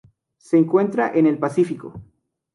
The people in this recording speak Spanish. Se encuentra en el Pacífico.